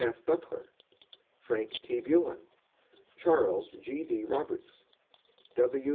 F. Butler, Frank T. Bullen, Charles G. D. Roberts, W.